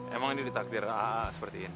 emang ini takdir aa seperti ini